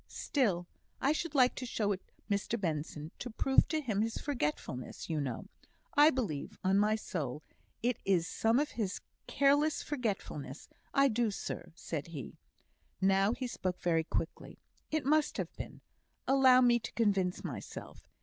"Still I should like to show it Mr Benson, to prove to him his forgetfulness, you know. I believe, on my soul, it is some of his careless forgetfulness I do, sir," said he. Now he spoke very quickly. "It must have been. Allow me to convince myself.